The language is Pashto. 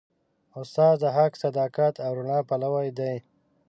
استاد د حق، صداقت او رڼا پلوي دی.